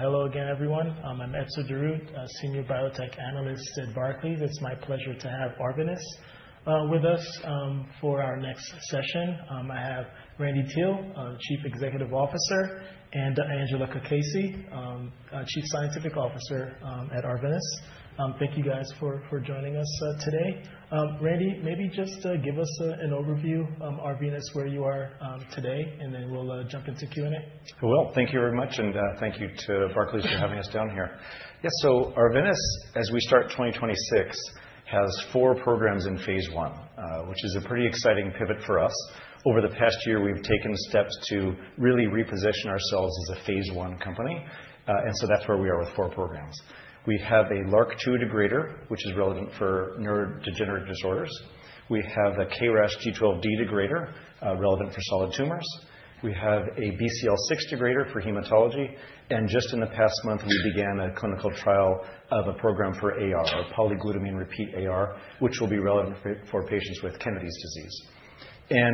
Hello again, everyone. I'm Esra Darroudi, a Senior Biotech Analyst at Barclays. It's my pleasure to have Arvinas with us for our next session. I have Randy Teel, our Chief Executive Officer, and Angela Cacace, our Chief Scientific Officer, at Arvinas. Thank you guys for joining us today. Randy, maybe just give us an overview of Arvinas, where you are today, and then we'll jump into Q&A. Well, thank you very much, and thank you to Barclays for having us down here. Yeah, so Arvinas, as we start 2026, has four programs in phase I, which is a pretty exciting pivot for us. Over the past year, we've taken steps to really reposition ourselves as a phase I company. That's where we are with four programs. We have a LRRK2 degrader, which is relevant for neurodegenerative disorders. We have a KRAS G12D degrader, relevant for solid tumors. We have a BCL6 degrader for hematology, and just in the past month, we began a clinical trial of a program for AR, or polyglutamine repeat AR, which will be relevant for patients with Kennedy's disease.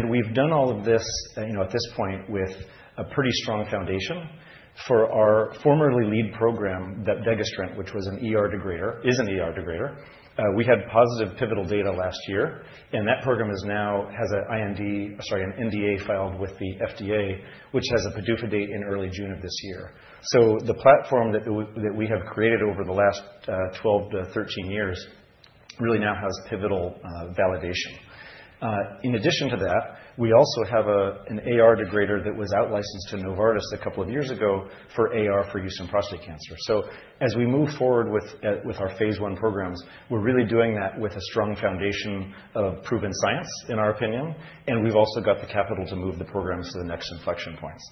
We've done all of this, you know, at this point, with a pretty strong foundation. For our formerly lead program, that vepdegestrant, which was an ER degrader, is an ER degrader, we had positive pivotal data last year, and that program now has an NDA filed with the FDA, which has a PDUFA date in early June of this year. The platform that we have created over the last 12-13 years really now has pivotal validation. In addition to that, we also have an AR degrader that was out licensed to Novartis a couple of years ago for AR for use in prostate cancer. As we move forward with our phase I programs, we're really doing that with a strong foundation of proven science, in our opinion, and we've also got the capital to move the programs to the next inflection points.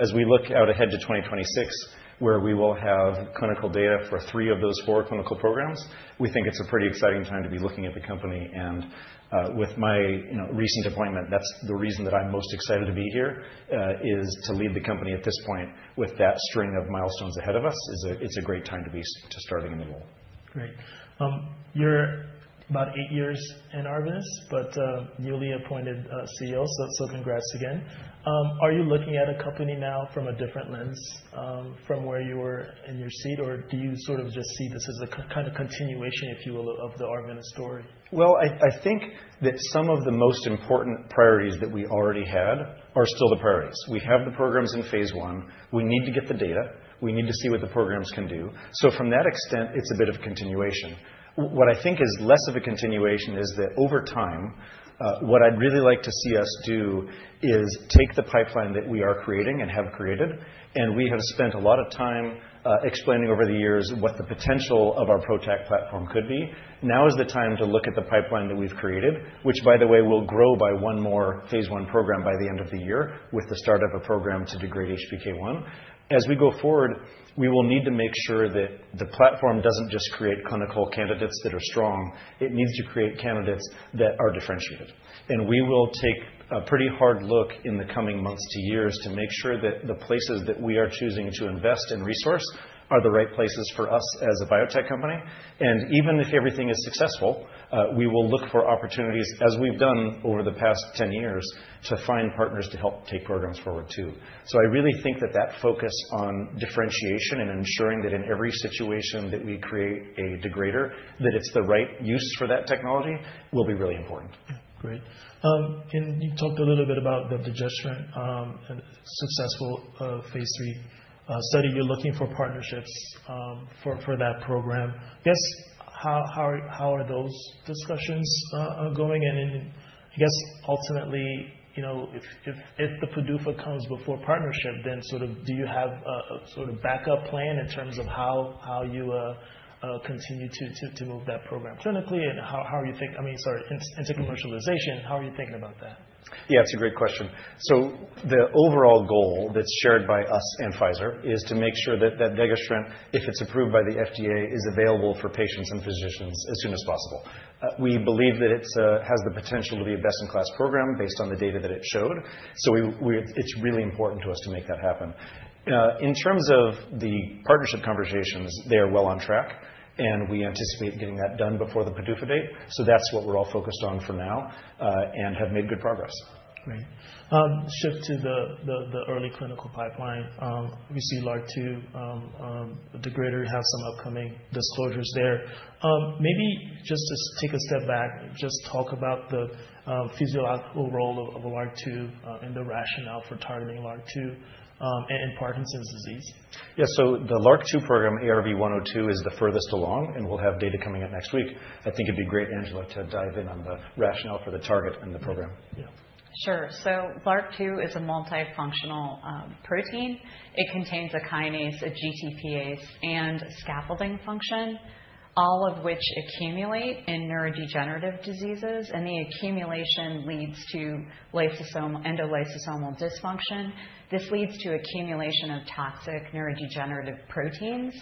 As we look out ahead to 2026, where we will have clinical data for three of those four clinical programs, we think it's a pretty exciting time to be looking at the company. With my, you know, recent appointment, that's the reason that I'm most excited to be here is to lead the company at this point with that string of milestones ahead of us. It's a great time to be starting a new role. Great. You're about eight years in Arvinas, but newly appointed CEO, so congrats again. Are you looking at a company now from a different lens, from where you were in your seat, or do you sort of just see this as a kind of continuation, if you will, of the Arvinas story? Well, I think that some of the most important priorities that we already had are still the priorities. We have the programs in phase I. We need to get the data. We need to see what the programs can do. From that extent, it's a bit of continuation. What I think is less of a continuation is that over time, what I'd really like to see us do is take the pipeline that we are creating and have created, and we have spent a lot of time explaining over the years what the potential of our PROTAC platform could be. Now is the time to look at the pipeline that we've created, which by the way, will grow by one more phase I program by the end of the year with the start of a program to degrade HPK1. As we go forward, we will need to make sure that the platform doesn't just create clinical candidates that are strong. It needs to create candidates that are differentiated. We will take a pretty hard look in the coming months to years to make sure that the places that we are choosing to invest and resource are the right places for us as a biotech company. Even if everything is successful, we will look for opportunities as we've done over the past 10 years to find partners to help take programs forward too. I really think that focus on differentiation and ensuring that in every situation that we create a degrader, that it's the right use for that technology will be really important. Great. You talked a little bit about the vepdegestrant and successful phase III study. You're looking for partnerships for that program. How are those discussions going? I guess ultimately, you know, if the PDUFA comes before partnership, then sort of do you have a sort of backup plan in terms of how you continue to move that program clinically and I mean, sorry, into commercialization, how are you thinking about that? Yeah, it's a great question. The overall goal that's shared by us and Pfizer is to make sure that that vepdegestrant, if it's approved by the FDA, is available for patients and physicians as soon as possible. We believe that it has the potential to be a best in class program based on the data that it showed. It's really important to us to make that happen. In terms of the partnership conversations, they are well on track, and we anticipate getting that done before the PDUFA date. That's what we're all focused on for now, and have made good progress. Great. Shift to the early clinical pipeline. We see LRRK2 degrader have some upcoming disclosures there. Maybe just to take a step back, just talk about the physiological role of LRRK2 and the rationale for targeting LRRK2 and in Parkinson's disease. Yeah. The LRRK2 program, ARV-102, is the furthest along, and we'll have data coming up next week. I think it'd be great, Angela, to dive in on the rationale for the target and the program. Yeah. Sure. LRRK2 is a multifunctional protein. It contains a kinase, a GTPase, and scaffolding function, all of which accumulate in neurodegenerative diseases, and the accumulation leads to endolysosomal dysfunction. This leads to accumulation of toxic neurodegenerative proteins.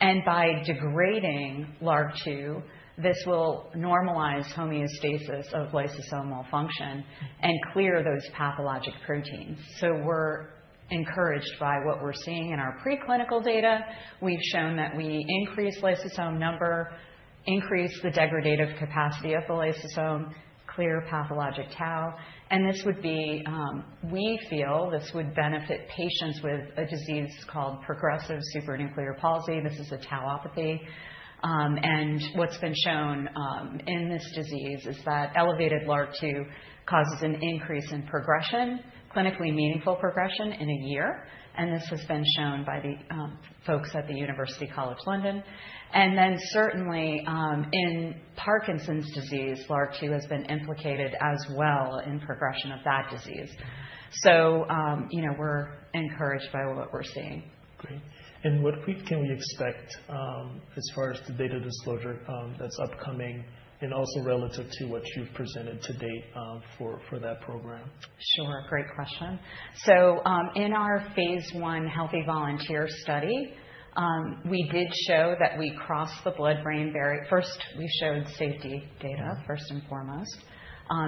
By degrading LRRK2, this will normalize homeostasis of lysosomal function and clear those pathologic proteins. We're encouraged by what we're seeing in our preclinical data. We've shown that we increase lysosome number, increase the degradative capacity of the lysosome, clear pathologic tau, and this would be, we feel this would benefit patients with a disease called progressive supranuclear palsy. This is a tauopathy. What's been shown in this disease is that elevated LRRK2 causes an increase in progression, clinically meaningful progression in a year. This has been shown by the folks at University College London. Certainly, in Parkinson's disease, LRRK2 has been implicated as well in progression of that disease. You know, we're encouraged by what we're seeing. Great. What week can we expect, as far as the data disclosure, that's upcoming and also relative to what you've presented to date, for that program? Sure. Great question. In our phase I healthy volunteer study, we did show that we crossed the blood-brain barrier. First, we showed safety data, first and foremost,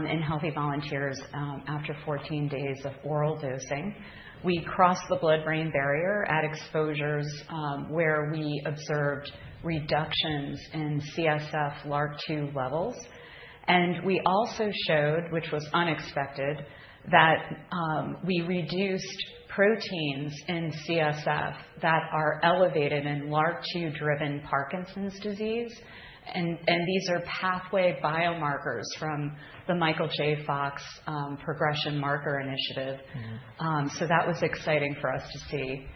in healthy volunteers, after 14 days of oral dosing. We crossed the blood-brain barrier at exposures, where we observed reductions in CSF LRRK2 levels. We also showed, which was unexpected, that we reduced proteins in CSF that are elevated in LRRK2-driven Parkinson's disease. These are pathway biomarkers from the Michael J. Fox progression marker initiative. Mm-hmm. That was exciting for us to see.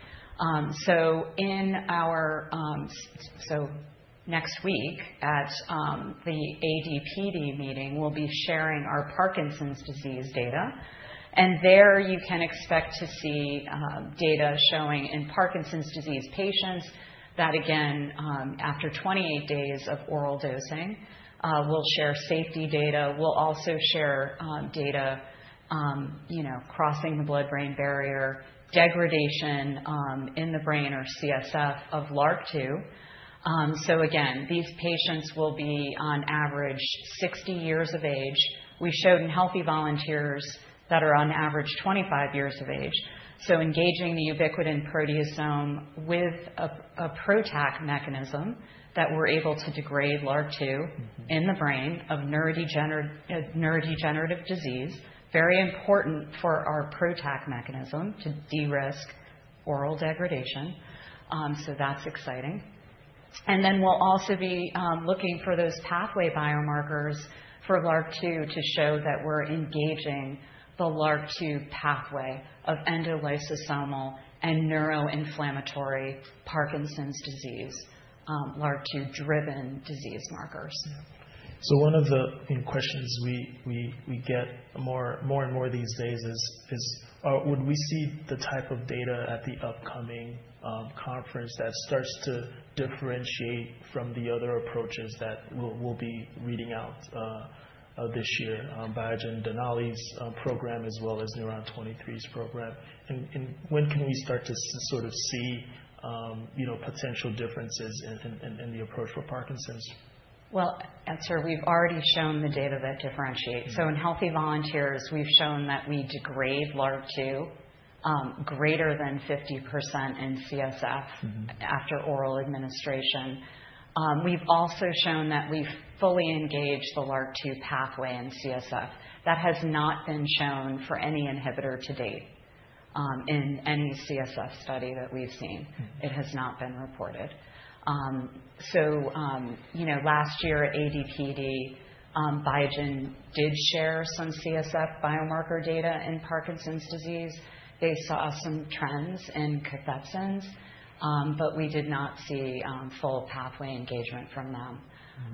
Next week at the ADPD meeting, we'll be sharing our Parkinson's disease data. There you can expect to see data showing in Parkinson's disease patients that again, after 28 days of oral dosing, we'll share safety data. We'll also share data, you know, crossing the blood-brain barrier, degradation in the brain or CSF of LRRK2. These patients will be on average 60 years of age. We showed in healthy volunteers that are on average 25 years of age. Engaging the ubiquitin proteasome with a PROTAC mechanism that we're able to degrade LRRK2. Mm-hmm. In the brain of neurodegenerative disease, very important for our PROTAC mechanism to de-risk oral degradation. That's exciting. Then we'll also be looking for those pathway biomarkers for LRRK2 to show that we're engaging the LRRK2 pathway of endolysosomal and neuroinflammatory Parkinson's disease, LRRK2-driven disease markers. One of the, you know, questions we get more and more these days is would we see the type of data at the upcoming conference that starts to differentiate from the other approaches that we'll be reading out this year, Biogen and Denali's program as well as Neuron23's program. When can we start to sort of see, you know, potential differences in the approach for Parkinson's? Well, sir, we've already shown the data that differentiates. In healthy volunteers, we've shown that we degrade LRRK2 greater than 50% in CSF. Mm-hmm. After oral administration. We've also shown that we've fully engaged the LRRK2 pathway in CSF. That has not been shown for any inhibitor to date, in any CSF study that we've seen. Mm-hmm. It has not been reported. You know, last year at ADPD, Biogen did share some CSF biomarker data in Parkinson's disease. They saw some trends in cathepsins, but we did not see full pathway engagement from them.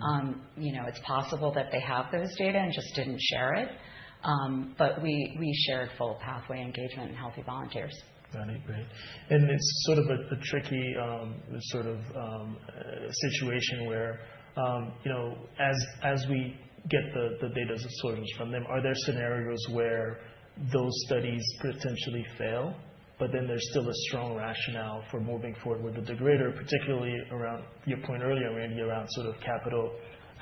Mm-hmm. You know, it's possible that they have those data and just didn't share it. We shared full pathway engagement in healthy volunteers. Got it. Great. It's sort of a tricky sort of situation where you know, as we get the data sort of from them, are there scenarios where those studies potentially fail, but then there's still a strong rationale for moving forward with a degrader, particularly around your point earlier, maybe around sort of capital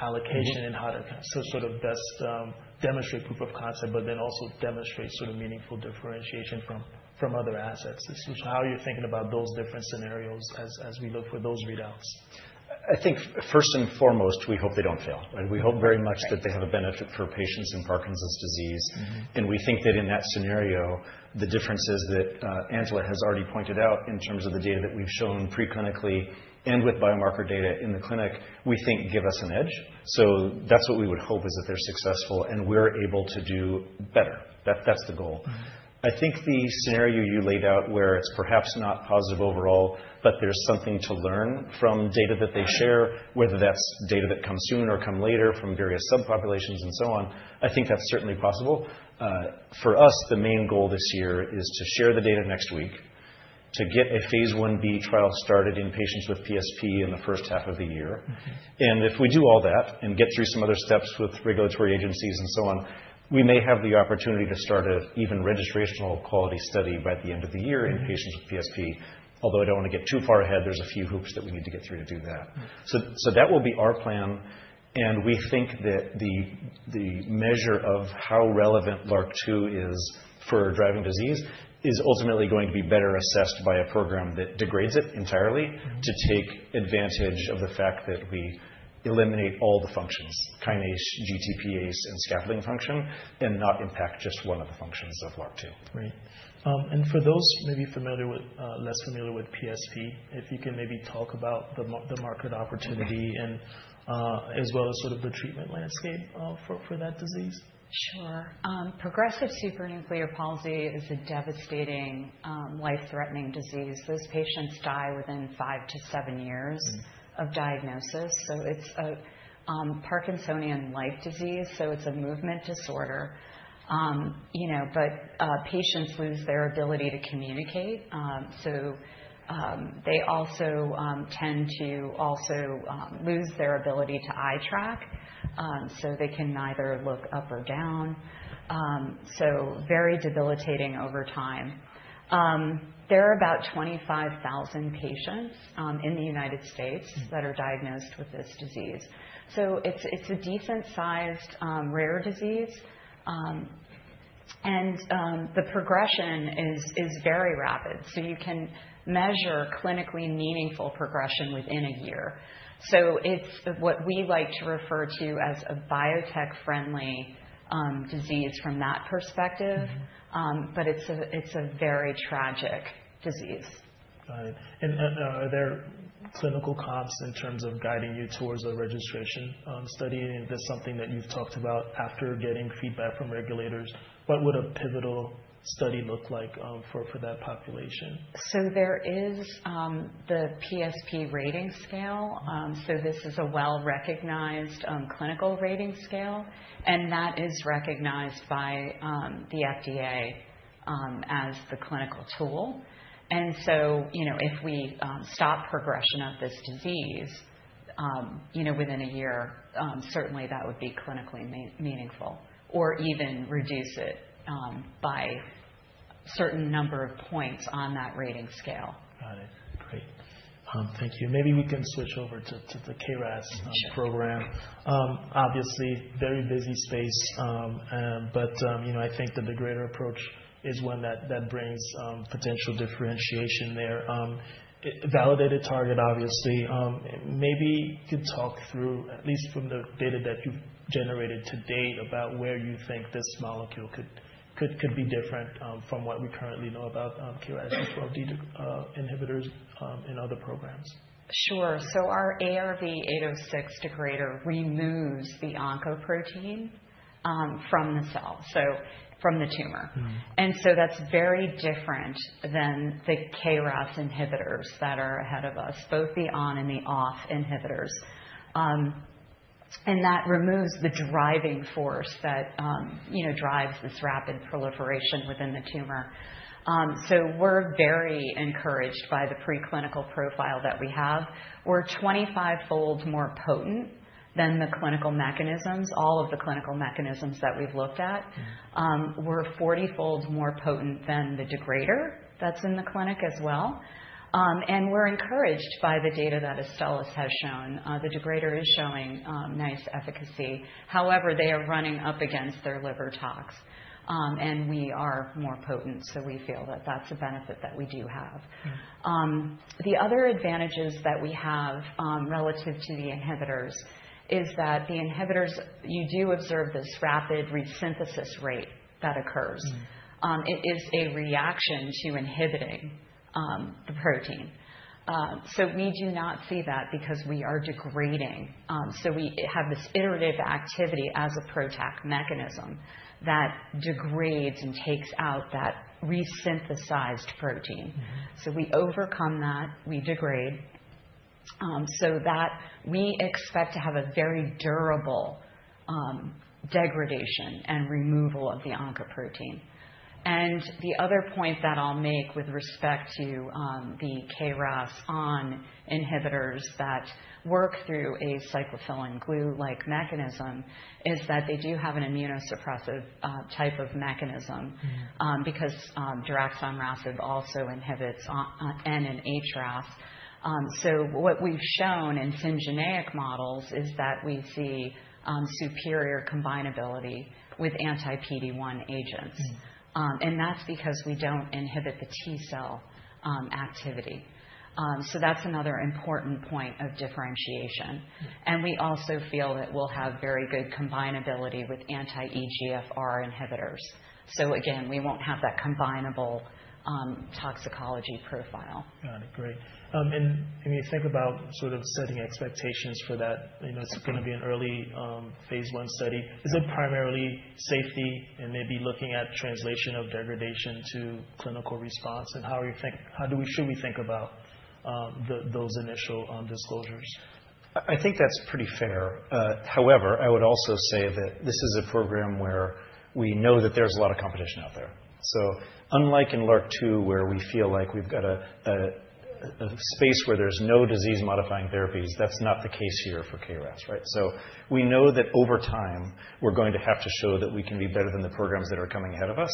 allocation. Mm-hmm. How to sort of best demonstrate proof of concept, but then also demonstrate sort of meaningful differentiation from other assets. How are you thinking about those different scenarios as we look for those readouts? I think first and foremost, we hope they don't fail, and we hope very much that they have a benefit for patients in Parkinson's disease. Mm-hmm. We think that in that scenario, the differences that Angela has already pointed out in terms of the data that we've shown pre-clinically and with biomarker data in the clinic, we think give us an edge. That's what we would hope is that they're successful and we're able to do better. That's the goal. Mm-hmm. I think the scenario you laid out where it's perhaps not positive overall, but there's something to learn from data that they share, whether that's data that comes sooner or come later from various subpopulations and so on, I think that's certainly possible. For us, the main goal this year is to share the data next week, to get a phase I-B trial started in patients with PSP in the first half of the year. Mm-hmm. If we do all that and get through some other steps with regulatory agencies and so on, we may have the opportunity to start an even registrational quality study by the end of the year in patients with PSP. Although I don't wanna get too far ahead, there's a few hoops that we need to get through to do that. Mm-hmm. That will be our plan, and we think that the measure of how relevant LRRK2 is for driving disease is ultimately going to be better assessed by a program that degrades it entirely. Mm-hmm. To take advantage of the fact that we eliminate all the functions, kinase, GTPase, and scaffolding function, and not impact just one of the functions of LRRK2. Right. For those less familiar with PSP, if you can maybe talk about the market opportunity and, as well as sort of the treatment landscape, for that disease. Sure. Progressive supranuclear palsy is a devastating, life-threatening disease. Those patients die within five to seven years. Mm-hmm. Of diagnosis. It's a Parkinsonian-like disease, so it's a movement disorder. You know, but patients lose their ability to communicate. They also tend to lose their ability to eye track, so they can neither look up or down. Very debilitating over time. There are about 25,000 patients in the United States that are diagnosed with this disease. It's a decent-sized rare disease. The progression is very rapid, so you can measure clinically meaningful progression within a year. It's what we like to refer to as a biotech-friendly disease from that perspective. But it's a very tragic disease. Got it. Are there clinical comps in terms of guiding you towards a registration study? Is this something that you've talked about after getting feedback from regulators? What would a pivotal study look like, for that population? There is the PSP rating scale. This is a well-recognized clinical rating scale, and that is recognized by the FDA as the clinical tool. You know, if we stop progression of this disease, you know, within a year, certainly that would be clinically meaningful or even reduce it by certain number of points on that rating scale. Got it. Great. Thank you. Maybe we can switch over to the KRAS program. Obviously very busy space. You know, I think that the degrader approach is one that brings potential differentiation there. Validated target, obviously. Maybe you could talk through, at least from the data that you've generated to date, about where you think this molecule could be different from what we currently know about KRAS inhibitors in other programs. Sure. Our ARV-806 degrader removes the oncoprotein from the cell, so from the tumor. Mm-hmm. That's very different than the KRAS inhibitors that are ahead of us, both the on and the off inhibitors. That removes the driving force that, you know, drives this rapid proliferation within the tumor. We're very encouraged by the preclinical profile that we have. We're 25-fold more potent than the clinical mechanisms, all of the clinical mechanisms that we've looked at. We're 40-fold more potent than the degrader that's in the clinic as well. We're encouraged by the data that Astellas has shown. The degrader is showing nice efficacy. However, they are running up against their liver tox. We are more potent, so we feel that that's a benefit that we do have. The other advantages that we have, relative to the inhibitors, is that the inhibitors, you do observe this rapid resynthesis rate that occurs. Mm. It is a reaction to inhibiting the protein. We do not see that because we are degrading. We have this iterative activity as a PROTAC mechanism that degrades and takes out that resynthesized protein. Mm-hmm. We overcome that, we degrade so that we expect to have a very durable degradation and removal of the oncoprotein. The other point that I'll make with respect to the KRAS inhibitors that work through a cyclophilin glue-like mechanism is that they do have an immunosuppressive type of mechanism. Mm-hmm. because divarasib also inhibits NRAS and HRAS. What we've shown in syngeneic models is that we see superior combinability with anti-PD-1 agents. Mm. That's because we don't inhibit the T-cell activity. That's another important point of differentiation. Mm. We also feel that we'll have very good combinability with anti-EGFR inhibitors. Again, we won't have that combinable, toxicology profile. Got it. Great. When you think about sort of setting expectations for that, you know, it's gonna be an early phase I study. Is it primarily safety and maybe looking at translation of degradation to clinical response? How should we think about those initial disclosures? I think that's pretty fair. However, I would also say that this is a program where we know that there's a lot of competition out there. Unlike in LRRK2, where we feel like we've got a space where there's no disease-modifying therapies, that's not the case here for KRAS, right? We know that over time, we're going to have to show that we can be better than the programs that are coming ahead of us.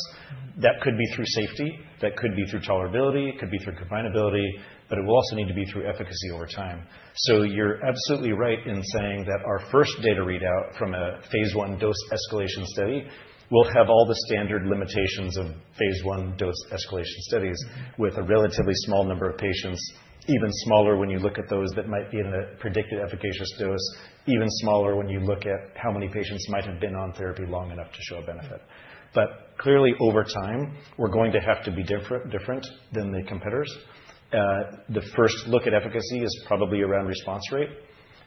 That could be through safety, that could be through tolerability, it could be through combinability, but it will also need to be through efficacy over time. You're absolutely right in saying that our first data readout from a phase I dose escalation study will have all the standard limitations of phase I dose escalation studies with a relatively small number of patients, even smaller when you look at those that might be in a predicted efficacious dose, even smaller when you look at how many patients might have been on therapy long enough to show a benefit. Clearly, over time, we're going to have to be different than the competitors. The first look at efficacy is probably around response rate.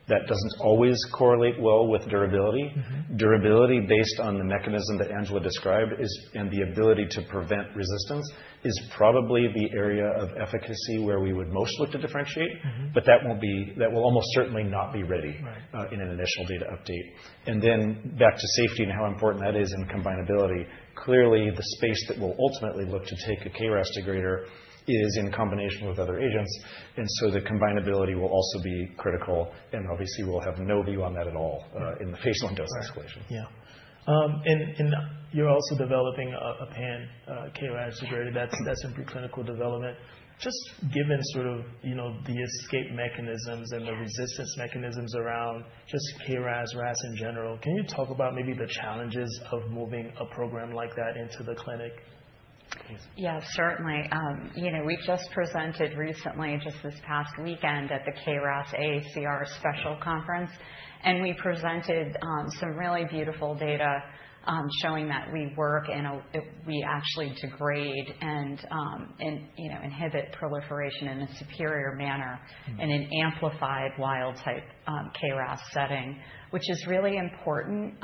That doesn't always correlate well with durability. Durability based on the mechanism that Angela described is, and the ability to prevent resistance, is probably the area of efficacy where we would most look to differentiate. Mm-hmm. That will almost certainly not be ready. Right. In an initial data update. Back to safety and how important that is in combinability. Clearly, the space that we'll ultimately look to take a KRAS degrader is in combination with other agents. The combinability will also be critical, and obviously, we'll have no view on that at all, in the phase I dose escalation. Yeah. You're also developing a pan-KRAS degrader that's in preclinical development. Just given sort of, you know, the escape mechanisms and the resistance mechanisms around just KRAS, RAS in general, can you talk about maybe the challenges of moving a program like that into the clinic? Yeah, certainly. You know, we just presented recently, just this past weekend at the KRAS AACR special conference, and we presented some really beautiful data showing that we work and inhibit proliferation in a superior manner in an amplified wild type KRAS setting, which is really important.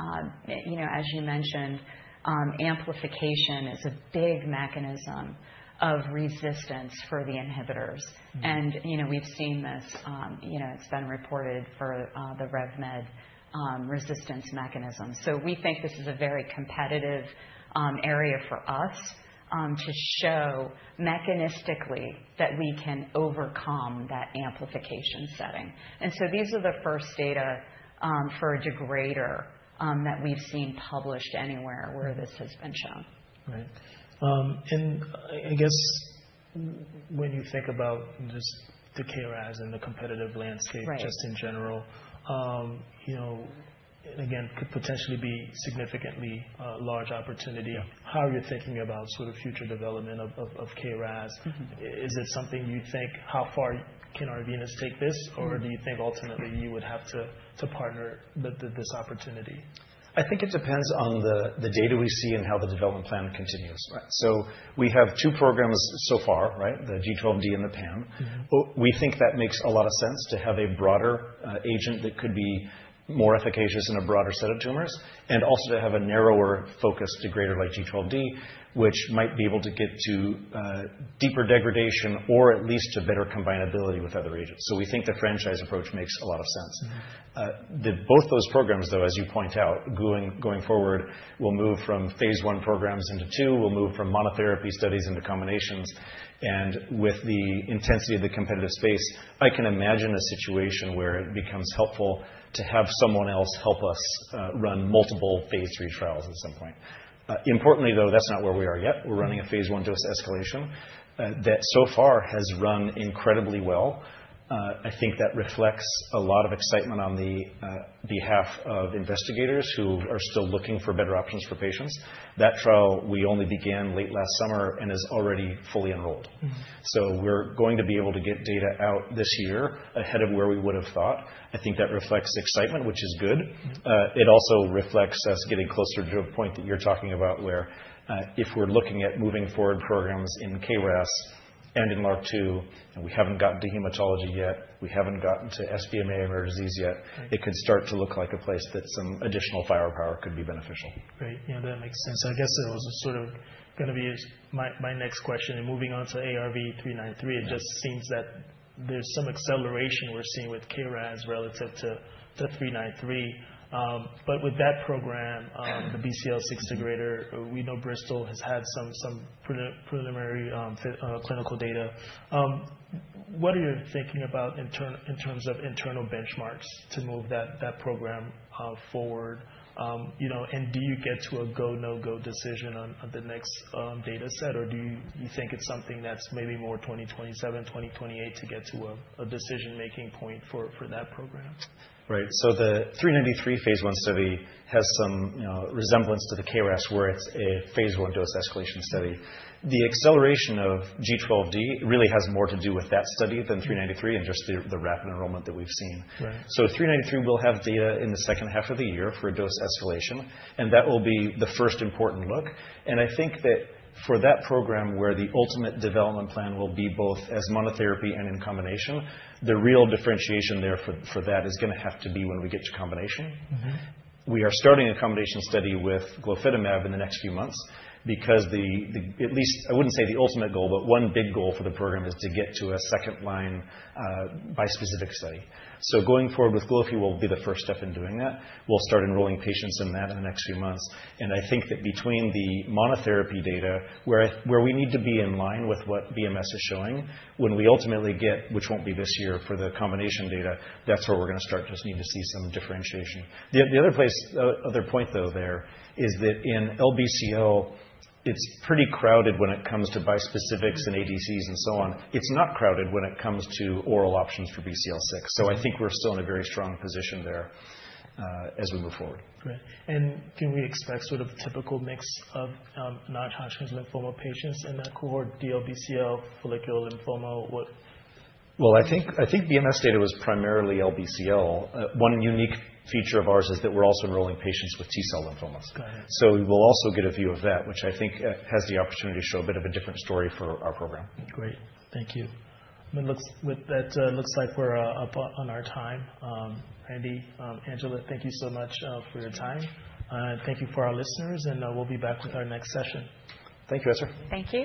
You know, as you mentioned, amplification is a big mechanism of resistance for the inhibitors. You know, we've seen this, you know, it's been reported for the RevMed resistance mechanism. We think this is a very competitive area for us to show mechanistically that we can overcome that amplification setting. These are the first data for a degrader that we've seen published anywhere where this has been shown. Right. I guess when you think about just the KRAS and the competitive landscape. Right. Just in general, you know, again, could potentially be significantly a large opportunity. How are you thinking about sort of future development of KRAS? Is it something you'd think how far can Arvinas take this? Or do you think ultimately you would have to partner this opportunity? I think it depends on the data we see and how the development plan continues. Right. We have two programs so far, right? The G12D and the pan-KRAS. We think that makes a lot of sense to have a broader agent that could be more efficacious in a broader set of tumors, and also to have a narrower focus degrader like G12D, which might be able to get to deeper degradation or at least to better combinability with other agents. We think the franchise approach makes a lot of sense. Both those programs, though, as you point out, going forward, will move from phase one programs into two, will move from monotherapy studies into combinations. With the intensity of the competitive space, I can imagine a situation where it becomes helpful to have someone else help us run multiple phase three trials at some point. Importantly, though, that's not where we are yet. We're running a phase I dose escalation that so far has run incredibly well. I think that reflects a lot of excitement on behalf of investigators who are still looking for better options for patients. That trial we only began late last summer and is already fully enrolled. Mm-hmm. We're going to be able to get data out this year ahead of where we would have thought. I think that reflects the excitement, which is good. It also reflects us getting closer to a point that you're talking about where, if we're looking at moving forward programs in KRAS and in AR, too, and we haven't gotten to hematology yet, we haven't gotten to SBMA rare disease yet, it could start to look like a place that some additional firepower could be beneficial. Great. You know, that makes sense. I guess that was sort of gonna be my next question. Moving on to ARV-393, it just seems that there's some acceleration we're seeing with KRAS relative to 393. But with that program, the BCL6 degrader, we know Bristol has had some preliminary clinical data. What are you thinking about in terms of internal benchmarks to move that program forward? You know, and do you get to a go, no-go decision on the next data set? Or do you think it's something that's maybe more 2027, 2028 to get to a decision-making point for that program? Right. The 393 phase I study has some, you know, resemblance to the KRAS, where it's a phase I dose escalation study. The acceleration of G12D really has more to do with that study than 393 and just the rapid enrollment that we've seen. Right. 393 will have data in the second half of the year for a dose escalation, and that will be the first important look. I think that for that program where the ultimate development plan will be both as monotherapy and in combination, the real differentiation there for that is gonna have to be when we get to combination. Mm-hmm. We are starting a combination study with glofitamab in the next few months because the at least I wouldn't say the ultimate goal, but one big goal for the program is to get to a second line bispecific study. Going forward with glofi will be the first step in doing that. We'll start enrolling patients in that in the next few months. I think that between the monotherapy data where we need to be in line with what BMS is showing, when we ultimately get, which won't be this year for the combination data, that's where we're gonna start to just need to see some differentiation. Other point though there is that in LBCL, it's pretty crowded when it comes to bispecifics and ADCs and so on. It's not crowded when it comes to oral options for BCL6. I think we're still in a very strong position there, as we move forward. Great. Can we expect sort of typical mix of non-Hodgkin's lymphoma patients in that cohort, DLBCL, follicular lymphoma? Well, I think BMS data was primarily LBCL. One unique feature of ours is that we're also enrolling patients with T-cell lymphomas. Got it. We will also get a view of that, which I think has the opportunity to show a bit of a different story for our program. Great. Thank you. With that, it looks like we're up on our time. Andy, Angela, thank you so much for your time. Thank you for our listeners, and we'll be back with our next session. Thank you, Esra. Thank you.